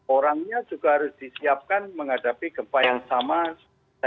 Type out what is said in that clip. orangnya juga harus disiapkan menghadapi gempa yang sama